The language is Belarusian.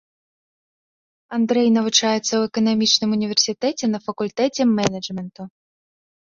Андрэй навучаецца ў эканамічным універсітэце на факультэце менеджменту.